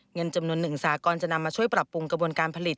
เงินจำนวน๑สากรจะนำมาช่วยปรับปรุงกระบวนการผลิต